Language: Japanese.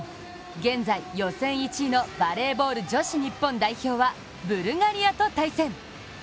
現在、予選１位のバレーボール女子日本代表はブルガリアと対戦。